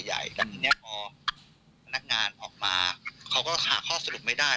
แต่ทีนี้พอพนักงานออกมาเขาก็หาข้อสรุปไม่ได้